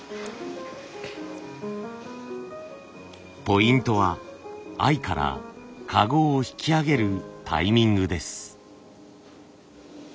ポイントは藍から籠を引き上げるタイミングです。